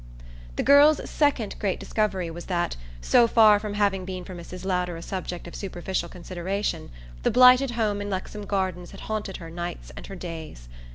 The girl's second great discovery was that, so far from having been for Mrs. Lowder a subject of superficial consideration, the blighted home in Lexham Gardens had haunted her nights and her days.